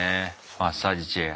マッサージチェア。